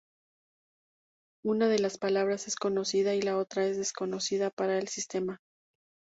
Una de las palabras es conocida y la otra es desconocida para el sistema.